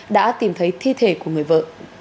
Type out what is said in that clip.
đã tìm thấy thi thể của người vợ